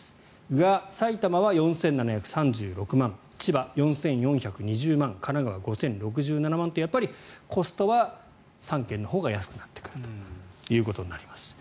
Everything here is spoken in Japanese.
が、埼玉は４７３６万千葉、４４２０万神奈川、５０６７万とやっぱりコストは３県のほうが安くなってくるということになります。